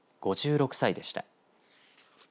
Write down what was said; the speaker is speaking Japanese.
５６歳でした。